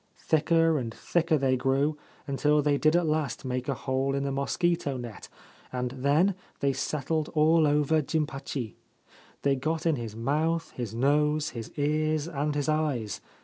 Thicker and thicker they grew until they did at last make a hole in the mosquito net, and then they settled all over Jimpachi. They got in his mouth, his nose, his ears, and his eyes.